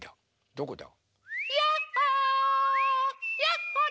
どこだ？